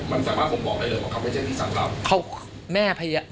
มันสามารถผมบอกได้เลยว่าเขาไม่ใช่พี่สาวเรา